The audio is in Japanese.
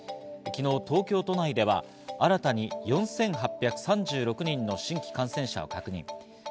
昨日、東京都内では新たに４８３６人の新規感染者を確認。